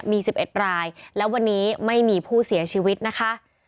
มี๑๑รายและวันนี้ไม่มีผู้เสียชีวิตนะคะ